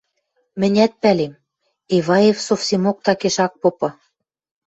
мӹнят пӓлем: Эваев совсемок такеш ак попы